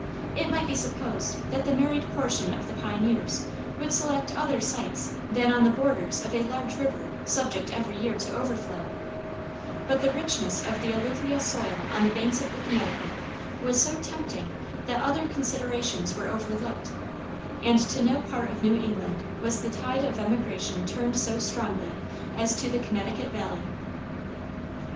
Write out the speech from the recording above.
It might be supposed that the married portion of the pioneers would select other sites than on the borders of a large river subject every year to overflow, but the richness of the alluvial soil on the banks of the Connecticut was so tempting that other considerations were overlooked, and to no part of New England was the tide of emigration turned so strongly as to the Connecticut Valley.